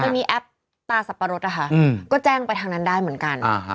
มันมีแอปตาสับปะรดนะคะก็แจ้งไปทางนั้นได้เหมือนกัน